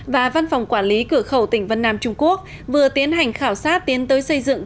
và văn phòng quản lý cửa khẩu tỉnh vân nam trung quốc vừa tiến hành khảo sát tiến tới xây dựng